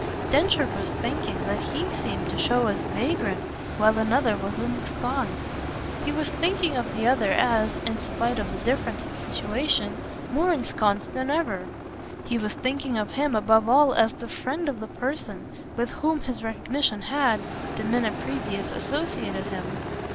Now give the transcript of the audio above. Densher was thinking that HE seemed to show as vagrant while another was ensconced. He was thinking of the other as in spite of the difference of situation more ensconced than ever; he was thinking of him above all as the friend of the person with whom his recognition had, the minute previous, associated him.